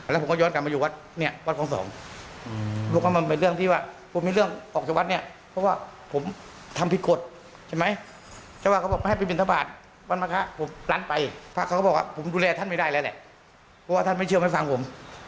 แล้วผมก็ย้อนกลับมาอยู่วัดนี้วัดของสองดูกันมันเป็นเรื่องที่ว่าผมมีเรื่องออกจากวัดเนี่ยเพราะว่าผมทำผิดกฎเห็นไหม